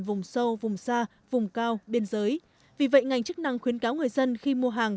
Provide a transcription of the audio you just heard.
vùng sâu vùng xa vùng cao biên giới vì vậy ngành chức năng khuyến cáo người dân khi mua hàng